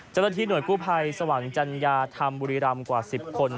เจ้าหน้าที่หน่วยกู้ภัยสว่างจัญญาธรรมบุรีรำกว่า๑๐คน